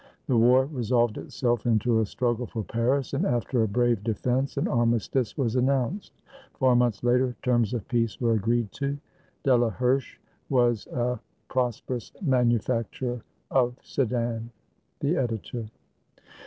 The war resolved itself into a struggle for Paris, and after a brave defense an armistice was announced. Four months later, terms of peace were agreed to. "Delaherche " was a prosperous manufacturer of Sedan. The Editor.